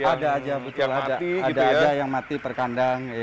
ada saja ada ada yang mati per kandang